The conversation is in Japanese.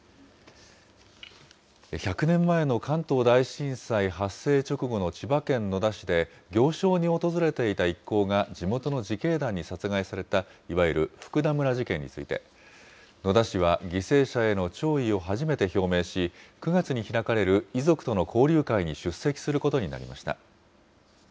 １００年前の関東大震災発生直後の千葉県野田市で、行商に訪れていた一行が、地元の自警団に殺害された、いわゆる福田村事件について、野田市は犠牲者への弔意を初めて表明し、９月に開かれる遺族との交流会に出席することになりました。